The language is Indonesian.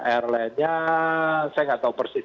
airline nya saya nggak tahu persis